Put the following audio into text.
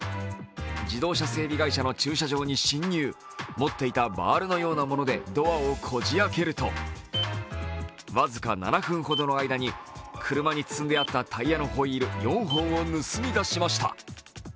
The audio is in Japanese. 自動車整備会社の駐車場に侵入、持っていたバールのようなものでドアをこじ開けると僅か７分ほどの間に車に積んであったタイヤのホイール４本を盗み出しました。